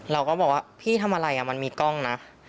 เราก็บอกว่าพี่ทำอะไรมันมีกล้องนะ